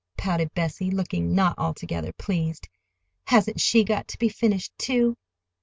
pouted Bessie, looking not altogether pleased. "Hasn't she got to be finished, too?"